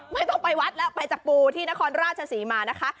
ไม่ต้องไปวัดแล้วไปจากปูที่นครราชศรีมานะคะ